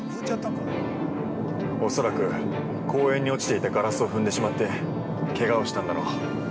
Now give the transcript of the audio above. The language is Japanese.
恐らく、公園に落ちていたガラスを踏んでしまってけがをしたんだろう。